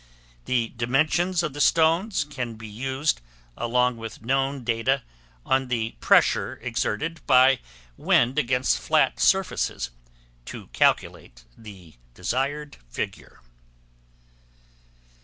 The dimensions of the stones can be used along with known data on the pressure exerted by wind against flat surfaces, to calculate the desired figure.